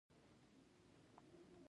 هوا د افغانانو د فرهنګي پیژندنې برخه ده.